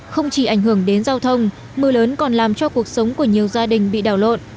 không chỉ ảnh hưởng đến giao thông mưa lớn còn làm cho cuộc sống của nhiều gia đình bị đảo lộn